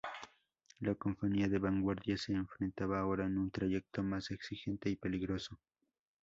La compañía de vanguardia se enfrentaba ahora a un trayecto más exigente y peligroso.